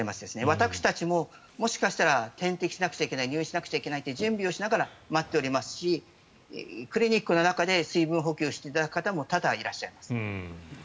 私たちも、もしかしたら点滴しなきゃいけない入院しなくちゃいけないという準備をしながら待っておりますしクリニックの中で水分補給していただく方も多々いらっしゃいます。